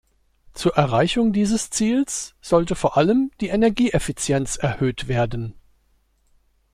Zur Erreichung dieses Ziels sollte vor allem die Energieffizienz erhöht werden.